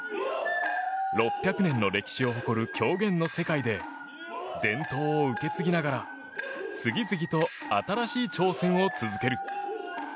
６００年の歴史を誇る狂言の世界で伝統を受け継ぎながら次々と新しい挑戦を続ける。